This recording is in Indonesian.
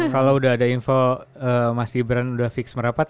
kalau udah ada info mas gibran udah fix merapat